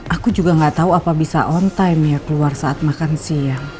aku juga gak tahu apa bisa on time ya keluar saat makan siang